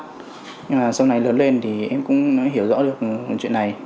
nhưng mà sau này lớn lên thì em cũng hiểu rõ được chuyện này